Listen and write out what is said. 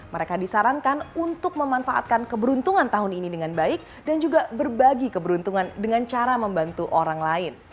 mereka disarankan untuk memanfaatkan keberuntungan tahun ini dengan baik dan juga berbagi keberuntungan dengan cara membantu orang lain